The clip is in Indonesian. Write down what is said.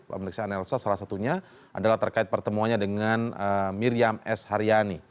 pemeriksaan elsa salah satunya adalah terkait pertemuannya dengan miriam s haryani